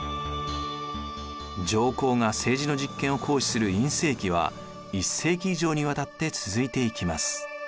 上皇が政治の実権を行使する院政期は１世紀以上にわたって続いていきます。